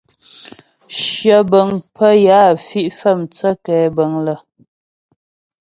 Shyə bə̀ŋ pə́ yə á fi' fə̀'ə mthə́ kɛ̌bəŋ lə.